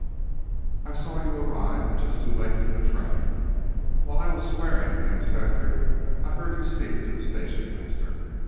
"I saw you arrive just too late for the train. While I was swearing at the inspector, I heard you speak to the station master.